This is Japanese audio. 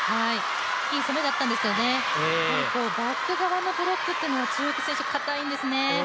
いい攻めだったんですけどね、バック側のブロックというのは中国選手かたいんですよね。